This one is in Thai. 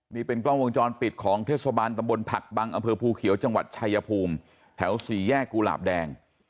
นี่เป็นกล้องวงจรปิดของเทศบาลตำบลผักบังอำเภอภูเขียวจังหวัดชายภูมิแถวสี่แยกกุหลาบแดง